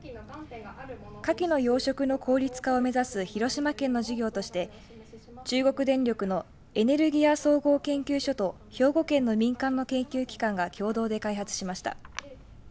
かきの養殖の効率化を目指す広島県の事業として中国電力のエネルギア総合研究所と兵庫県の民間の研究機関が共同で開発しました。